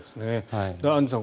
アンジュさん